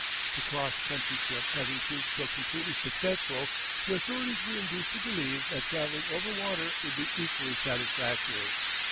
The cross country trip having proved so completely successful the authorities were induced to believe that travelling over water would be equally satisfactory.